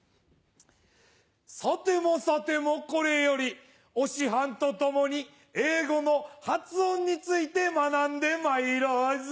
さてもさてもこれよりお師範と共に英語の発音について学んでまいろうぞ。